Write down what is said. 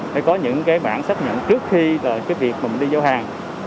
phải có những cái bản xác nhận trước khi cái việc mình đi giao hàng